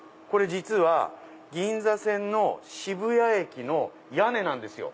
実は銀座線の渋谷駅の屋根なんですよ。